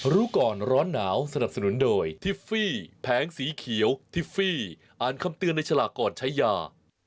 รู้ก่อนร้อนหนาวสนับสนุนโดยทิฟฟี่แผงสีเขียวทิฟฟี่อ่านคำเตือนในฉลากก่อนใช้ยา